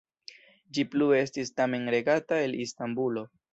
Ĝi plue estis tamen regata el Istanbulo.